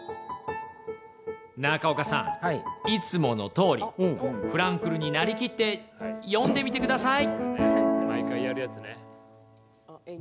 中岡さん、いつものとおりフランクルになりきって読んでみてください。